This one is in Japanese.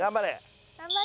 頑張れ。